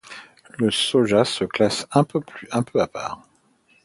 Le soja se classe un peu à part.